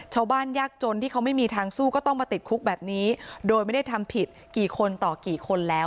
ยากจนที่เขาไม่มีทางสู้ก็ต้องมาติดคุกแบบนี้โดยไม่ได้ทำผิดกี่คนต่อกี่คนแล้ว